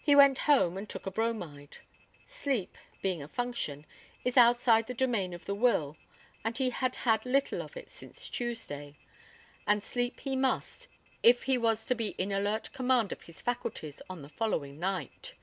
He went home and took a bromide. Sleep, being a function, is outside the domain of the will, and he had had little of it since Tuesday. And sleep he must if he was to be in alert command of his faculties on the following night.